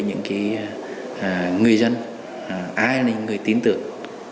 những cái người dân ai là những người tín tưởng